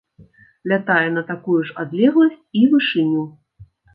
Лятае на такую ж адлегласць і вышыню.